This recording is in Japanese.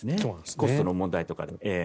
コストの問題とかで。